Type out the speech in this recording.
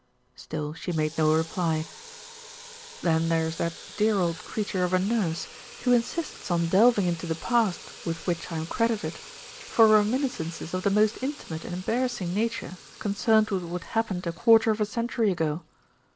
Still she made no reply. "Then there's that dear old creature of a nurse, who insists on delving into the past with which I am credited, for reminiscences of the most intimate and embarrassing nature, concerned with what happened a quarter of a century ago."